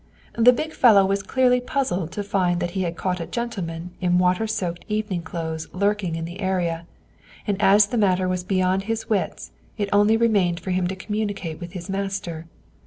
The big fellow was clearly puzzled to find that he had caught a gentleman in water soaked evening clothes lurking in the area, and as the matter was beyond his wits it only remained for him to communicate with his master.